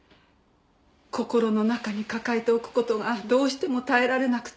心の中に抱えておく事がどうしても耐えられなくて。